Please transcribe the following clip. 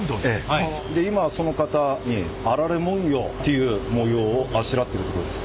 今はその型にあられ文様という模様をあしらっているところです。